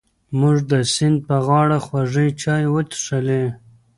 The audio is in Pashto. موږ د سیند په غاړه خوږې چای وڅښلې.